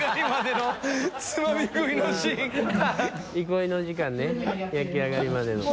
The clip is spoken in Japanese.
憩いの時間ね焼き上がりまでの。